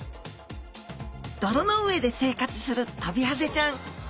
泥の上で生活するトビハゼちゃん。